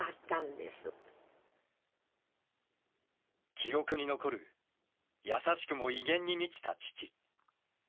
記憶に残る優しくも威厳に満ちた父。